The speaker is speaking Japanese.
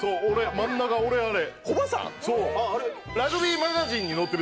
真ん中、俺、あれ。